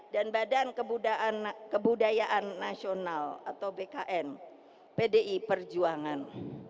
dan badan kebudayaan nasional atau bkn pdi perjuangan